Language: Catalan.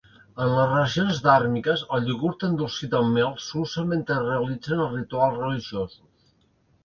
En les religions Dhármicas, el iogurt endolcit amb mel s'usa mentre es realitzen els rituals religiosos